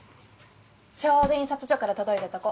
ちょうど印刷所から届いたとこ。